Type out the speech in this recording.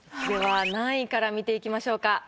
では何位から見ていきましょうか？